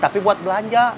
tapi buat belanja